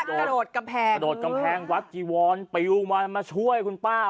กระโดดกำแพงกระโดดกำแพงวัดจีวอนปิวมามาช่วยคุณป้า